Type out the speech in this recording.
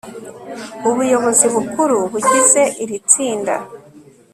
ubuyobozi bukuru bugize iritsinda